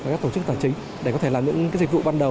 với các tổ chức tài chính để có thể làm những dịch vụ ban đầu